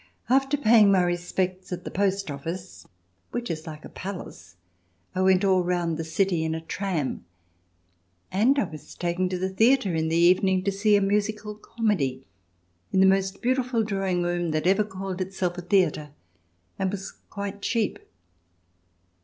After paying my respects at the Post Office, which is like a palace, 1 went all round the city in a tram. And I was taken to the theatre in the evening to see a musical comedy in the most beautiful drawing room that ever called itself a theatre, and was quite cheap.